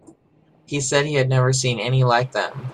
He said he had never seen any like them.